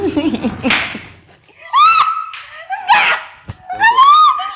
masukkan lagi dong